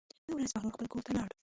یوه ورځ بهلول خپل کور ته لاړ.